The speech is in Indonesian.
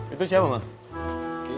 itu siapa mak